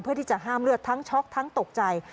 เพื่อที่จะห้ามเลือดทั้งช็อกทั้งตกใจ